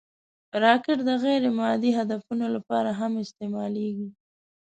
راکټ د غیر مادي هدفونو لپاره هم استعمالېږي